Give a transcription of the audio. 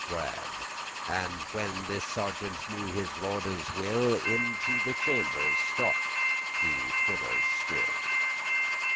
* *dreaded And when this sergeant knew his lorde's will, Into the chamber stalked he full still.